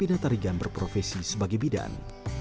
ini percaya pada diri masing masing